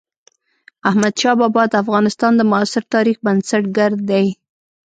احمد شاه بابا د افغانستان د معاصر تاريخ بنسټ ګر دئ.